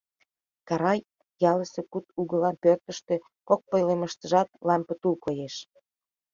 Карай ялысе куд угылан пӧртыштӧ кок пӧлемыштыжат лампе тул коеш.